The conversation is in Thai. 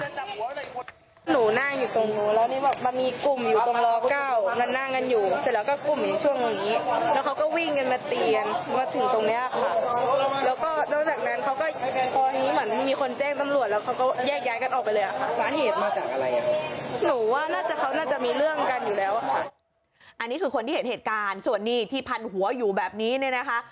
อันนี้คือคนที่เห็นเหตุการณ์ส่วนนี้ที่พันหัวอยู่แบบนี้เนี่ยนะคะ